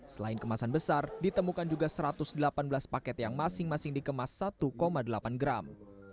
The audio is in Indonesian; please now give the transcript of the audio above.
selain kemasan besar ditemukan juga satu ratus delapan belas paket yang masing masing dikemas satu delapan gram